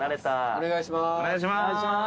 お願いします。